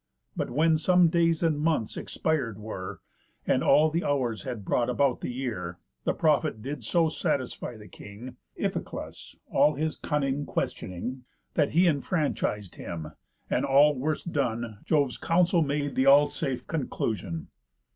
But when some days and months expired were, And all the hours had brought about the year, The prophet did so satisfy the king (Iphiclus, all his cunning questioning) That he enfranchis'd him; and, all worst done, Jove's counsel made th' all safe conclusión.